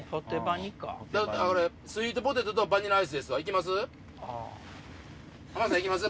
スイートポテトとバニラアイスですわいきます？